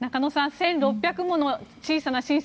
１６００もの小さな親切